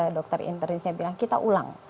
dokter internisnya bilang kita ulang